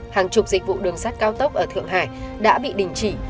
hàng chục dịch vụ đường sắt cao tốc ở thượng hải đã bị đình chỉ